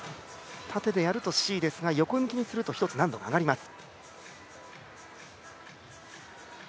縦でやるとＣですが、横向きにすると１つ難度が上がります。